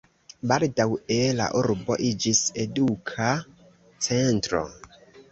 Baldaŭe la urbo iĝis eduka centro.